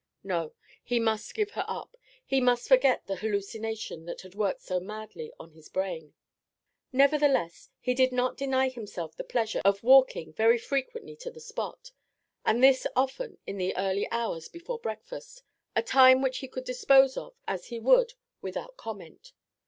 No; he must give her up. He must forget the hallucination that had worked so madly on his brain. Nevertheless, he did not deny himself the pleasure of walking very frequently to the spot, and this often, in the early hours before breakfast, a time which he could dispose of as he would without comment.